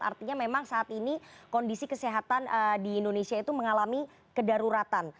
artinya memang saat ini kondisi kesehatan di indonesia itu mengalami kedaruratan